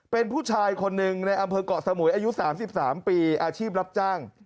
เป็นผู้ชายคนหนึ่งในอำเภอกเกาะสมุยอายุ๓๓ปีอาชีพรับจ้าง